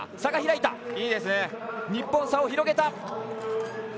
日本、差を広げた。